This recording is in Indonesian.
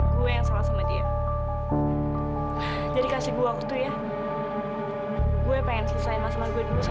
gue yang salah sama dia jadi kasih gua waktu ya gue pengen selesai masalah gue dulu sama dia